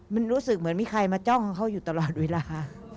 มันรู้สึกเหมือนมีใครมาจ้องเขาอยู่ตลอดเวลา